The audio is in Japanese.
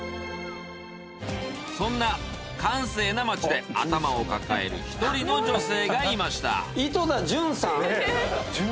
そんな閑静な街で頭を抱える１人の女性がいました。